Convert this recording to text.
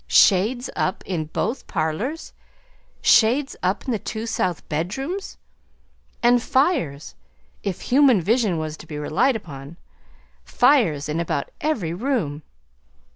Shades up in both parlors! Shades up in the two south bedrooms! And fires if human vision was to be relied on fires in about every room.